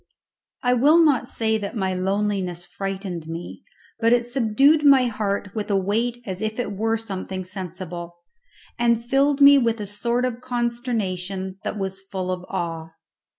I will not say that my loneliness frightened me, but it subdued my heart with a weight as if it were something sensible, and filled me with a sort of consternation that was full of awe.